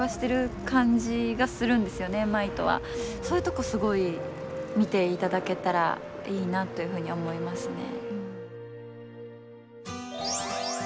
そういうとこすごい見ていただけたらいいなというふうに思いますね。